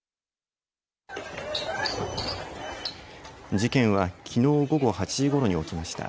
事件は、きのう午後８時ごろに起きました。